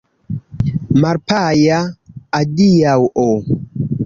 Malgaja adiaŭo!